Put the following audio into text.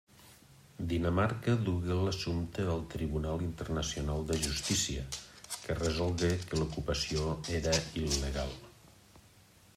Dinamarca dugué l'assumpte al Tribunal Internacional de Justícia, que resolgué que l'ocupació era il·legal.